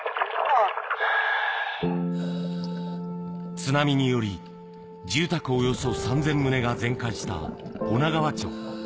津波により、住宅およそ３０００棟が全壊した女川町。